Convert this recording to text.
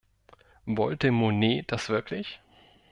Wollte Monnet das wirklich?